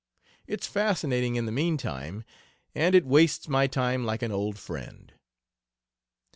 It's fascinating in the meantime, and it wastes my time like an old friend."